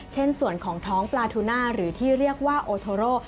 เช่นส่วนของท้องปลาทูน่าหรือที่เรียกว่าโอโทโร